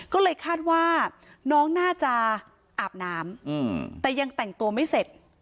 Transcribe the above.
ก็เลยคาดว่าน้องน่าจะอาบน้ำแต่ยังแต่งตัวไม่เสร็จ